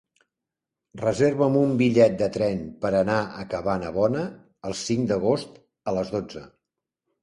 Reserva'm un bitllet de tren per anar a Cabanabona el cinc d'agost a les dotze.